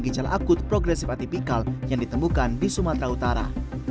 gejala akut progresif atipikal yang ditemukan di sumatera utara